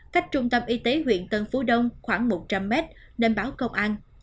cách trung tâm y tế huyện tân phú đông khoảng một trăm linh mét nên báo công an